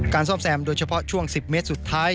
ซ่อมแซมโดยเฉพาะช่วง๑๐เมตรสุดท้าย